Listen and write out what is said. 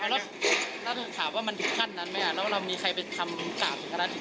แล้วถ้าถามว่ามันถึงขั้นนั้นไหมแล้วเรามีใครไปทำกล่าวถึงขนาดนี้